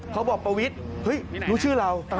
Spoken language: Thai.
เขาบอกประวิทย์เฮ้ยรู้ชื่อเรา